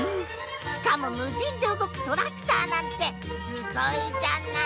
しかも無人で動くトラクターなんてすごいじゃない！